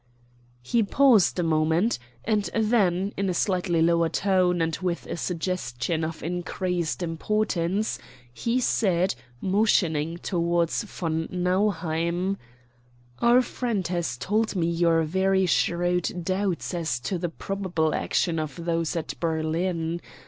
He paused a moment, and then, in a slightly lower tone, and with a suggestion of increased importance, he said, motioning toward von Nauheim: "Our friend has told me your very shrewd doubts as to the probable action of those at Berlin.